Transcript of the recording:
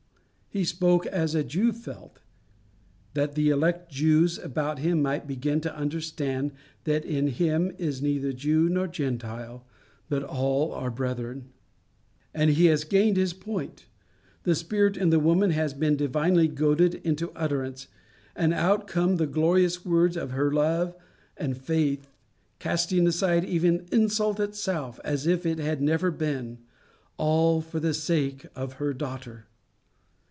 He spoke as a Jew felt, that the elect Jews about him might begin to understand that in him is neither Jew nor Gentile, but all are brethren. And he has gained his point. The spirit in the woman has been divinely goaded into utterance, and out come the glorious words of her love and faith, casting aside even insult itself as if it had never been all for the sake of a daughter.